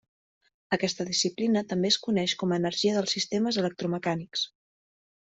Aquesta disciplina també es coneix com a energia dels sistemes electromecànics.